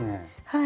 はい。